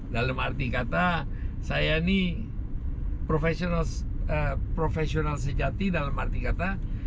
dalam arti kata saya ini profesional sejati dalam arti kata